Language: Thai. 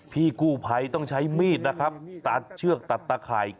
พี่กู้ภัยต้องใช้มีดนะครับตัดเชือกตัดตะข่าย